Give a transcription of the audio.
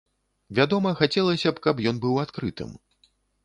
Вядома, хацелася б, каб ён быў адкрытым.